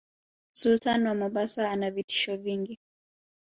Sultan wa Mombasa anavitisho vingi